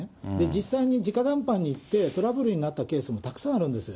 実際にじか談判に行って、トラブルになったケースもたくさんあるんです。